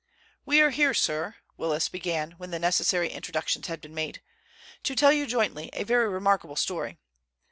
"We are here, sir," Willis began, when the necessary introductions had been made, "to tell you jointly a very remarkable story.